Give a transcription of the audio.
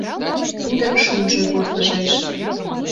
Тудын шӱмжӧ вургыжеш.